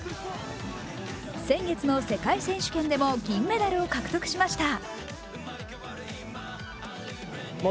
先月の世界選手権でも銀メダルを獲得しました。